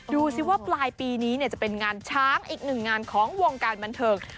ดูสิว่าปลายปีนี้จะเป็นงานช้างอีกหนึ่งงานของวงการบันเทิง